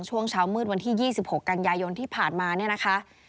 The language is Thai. ช่วงเช้ามืดวันที่๒๖กันยายนที่ผ่านมาเนี่ยนะคะ